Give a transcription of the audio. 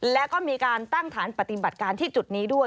แล้วก็มีการตั้งฐานปฏิบัติการที่จุดนี้ด้วย